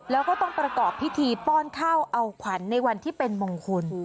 แล้วก็ต้องประกอบพิธีป้อนข้าวเอาขวัญในวันที่เป็นมงคล